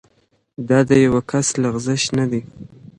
دا د یوه کس لغزش نه دی.